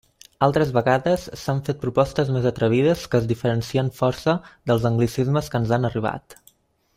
Altres vegades, s'han fet propostes més atrevides que es diferencien força dels anglicismes que ens han arribat.